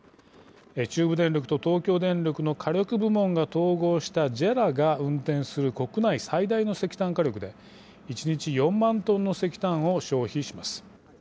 中部電力と東京電力の火力部門が統合したＪＥＲＡが運転する国内最大の石炭火力で１日４万トンの石炭を消費します。